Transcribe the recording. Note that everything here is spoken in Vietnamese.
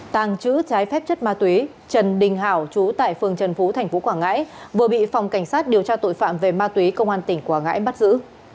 tàng trữ trái phép chất ma túy trần đình hảo chú tại phường trần phú tp quảng ngãi vừa bị phòng cảnh sát điều tra tội phạm về ma túy công an tỉnh quảng ngãi bắt giữ